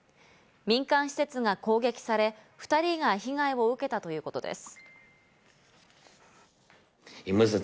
民間施設が攻撃され、２人が被害を受けたということです。